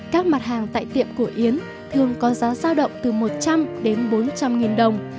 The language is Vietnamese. các mặt hàng tại tiệm của yến thường có giá giao động từ một trăm linh đến bốn trăm linh nghìn đồng